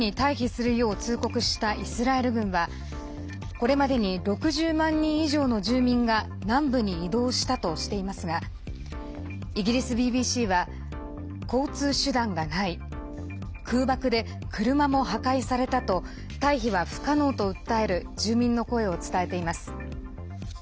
これまでに６０万人以上の住民が南部に移動したとしていますがイギリスＢＢＣは交通手段がない空爆で車も破壊されたと退避は不可能と訴える住民の声を伝えています。